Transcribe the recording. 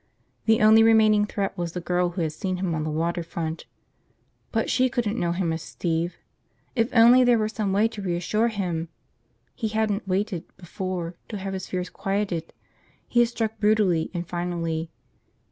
The only remaining threat was the girl who had seen him on the water front. But she couldn't know him as Steve! If only there was some way to reassure him! He hadn't waited, before, to have his fears quieted. He had struck, brutally and finally.